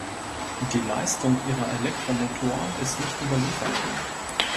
Die Leistung ihrer Elektromotoren ist nicht überliefert.